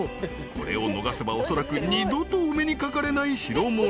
［これを逃せばおそらく二度とお目にかかれない代物］